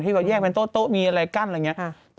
แบบแยกเป็นโต๊ะมีอะไรกั้นอะไรอย่างนี้